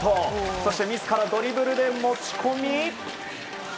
そして自らドリブルで持ち込み。